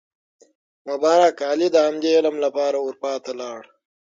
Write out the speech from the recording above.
مبارک علي د همدې علم لپاره اروپا ته لاړ.